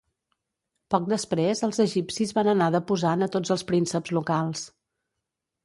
Poc després els egipcis van anar deposant a tots els prínceps locals.